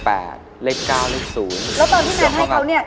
แล้วตอนที่แนนให้เขาเนี่ย